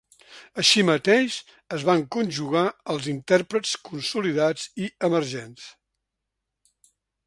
Així mateix, es van conjugar els intèrprets consolidats i emergents.